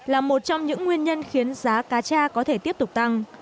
là một trong những nguyên nhân khiến giá cá cha có thể tiếp tục tăng